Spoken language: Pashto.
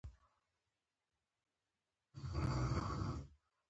استاد د وطن د خدمت روحیه لري.